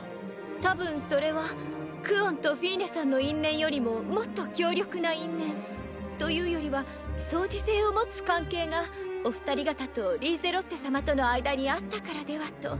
たぶんそれはクオンとフィーネさんの因縁よりももっと強力な因縁というよりは相似性を持つ関係がお二人方とリーゼロッテ様との間にあったからではと。